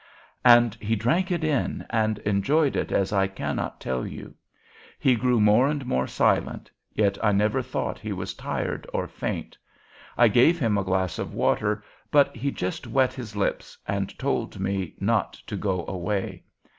"And he drank it in and enjoyed it as I cannot tell you. He grew more and more silent, yet I never thought he was tired or faint. I gave him a glass of water, but he just wet his lips, and told me not to go away.